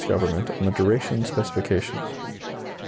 Government on the duration specifications.